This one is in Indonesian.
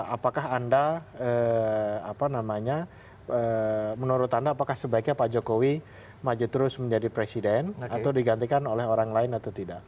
apakah anda apa namanya menurut anda apakah sebaiknya pak jokowi maju terus menjadi presiden atau digantikan oleh orang lain atau tidak